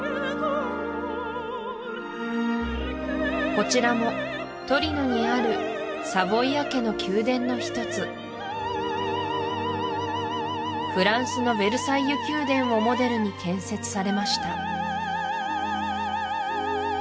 こちらもトリノにあるサヴォイア家の宮殿の一つフランスのヴェルサイユ宮殿をモデルに建設されました